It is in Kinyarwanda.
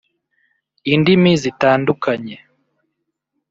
indimi zitandukanye